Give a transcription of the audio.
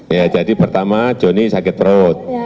ya jadi pertama johnny sakit perut